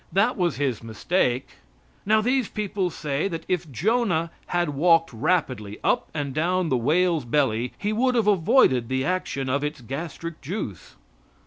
That was His mistake. Now, these people say that if Jonah had walked rapidly up and down the whale's belly he would have avoided the action of its gastric juice.